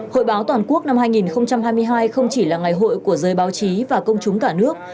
hội báo toàn quốc năm hai nghìn hai mươi hai không chỉ là ngày hội của giới báo chí và công chúng cả nước